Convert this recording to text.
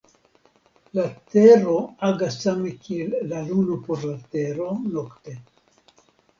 La Tero agas same kiel la Luno por la Tero nokte.